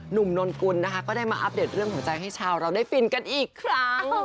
นนกุลนะคะก็ได้มาอัปเดตเรื่องของใจให้ชาวเราได้ฟินกันอีกครั้ง